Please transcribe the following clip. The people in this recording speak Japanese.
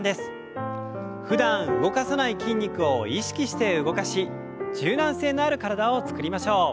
ふだん動かさない筋肉を意識して動かし柔軟性のある体を作りましょう。